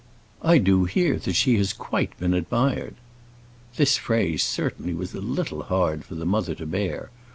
I do hear that she has quite been admired." This phrase certainly was a little hard for the mother to bear.